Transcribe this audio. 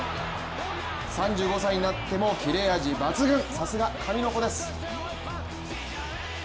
３５歳になっても切れ味抜群、さすが神の子です。